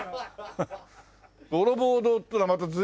「どろぼう堂」っていうのはまた随分な。